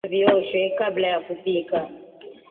viazi lishe viOshwe kabla ya kupika